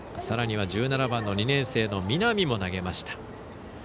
さらには１７番の２年生の南も投げました。